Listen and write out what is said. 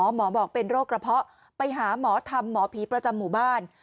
หมอบอกเป็นโรคกระเพาะไปหาหมอธรรมหมอผีประจำหมู่บ้าน